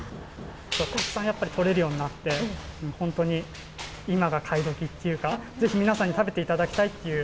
たくさんやっぱり取れるようになって、本当に今が買いどきっていうか、ぜひ皆さんに食べていただきたいっていう。